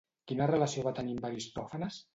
Quina relació va tenir amb Aristòfanes?